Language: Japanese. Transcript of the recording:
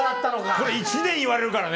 これ、１年言われるからね。